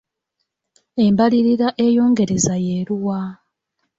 Embalirira eyongereza y'eruwa?